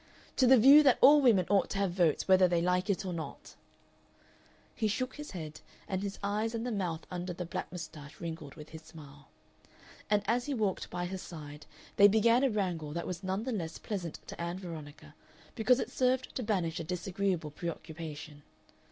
"To the view that all women ought to have votes whether they like it or not." He shook his head, and his eyes and the mouth under the black mustache wrinkled with his smile. And as he walked by her side they began a wrangle that was none the less pleasant to Ann Veronica because it served to banish a disagreeable preoccupation.